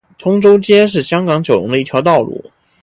通州街是香港九龙的一条道路。